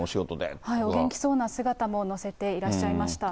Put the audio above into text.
お元気そうな姿も載せていらっしゃいました。